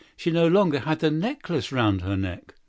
She no longer had the necklace around her neck!